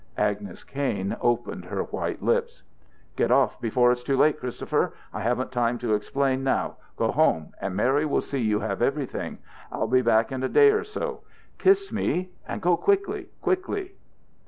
Agnes Kain opened her white lips. "Get off before it's too late, Christopher. I haven't time to explain now. Go home, and Mary will see you have everything. I'll be back in a day or so. Kiss me, and go quickly. Quickly!"